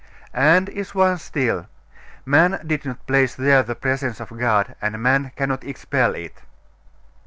'And is one still. Man did not place there the presence of God, and man cannot expel it.